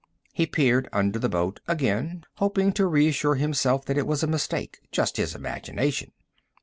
He peered under the boat again, hoping to reassure himself that it was a mistake, just his imagination.